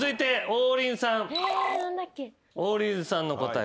王林さんの答え